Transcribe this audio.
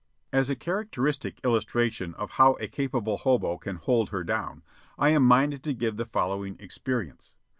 As a characteristic illustration of how a capable hobo can hold her down, I am minded to give the following experience.